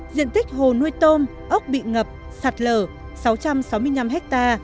diện tích hồ nuôi tôm ốc bị ngập sạt lở sáu trăm sáu mươi năm ha